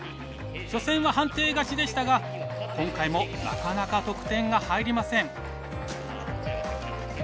初戦は判定勝ちでしたが今回もなかなか得点が入りません。